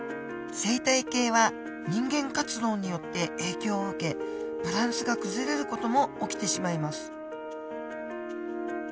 生態系は人間活動によって影響を受けバランスが崩れる事も起きてしまいます。